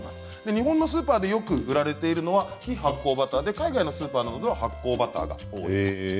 日本のスーパーでよく売られているのは非発酵のバターで海外のスーパーなどでは発酵バターが多いです。